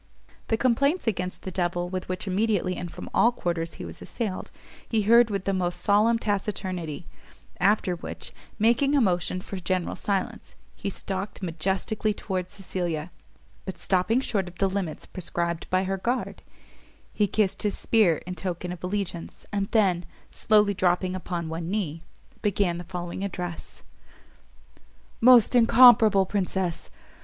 The complaints against the devil with which immediately and from all quarters he was assailed, he heard with the most solemn taciturnity: after which, making a motion for general silence, he stalked majestically towards Cecilia, but stopping short of the limits prescribed by her guard, he kissed his spear in token of allegiance, and then, slowly dropping upon one knee, began the following address: "Most incomparable Princess!